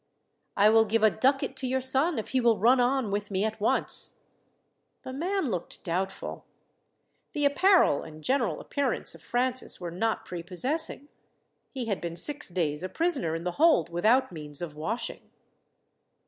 "I will give a ducat to your son if he will run on with me at once." The man looked doubtful. The apparel and general appearance of Francis were not prepossessing. He had been six days a prisoner in the hold without means of washing.